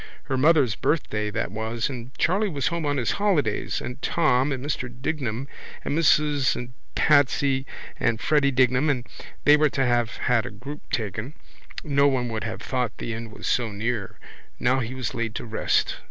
Her mother's birthday that was and Charley was home on his holidays and Tom and Mr Dignam and Mrs and Patsy and Freddy Dignam and they were to have had a group taken. No one would have thought the end was so near. Now he was laid to rest.